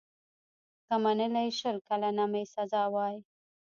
که منلې شل کلنه مي سزا وای